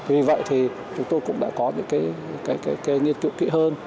vì vậy thì chúng tôi cũng đã có những nghiên cứu kỹ hơn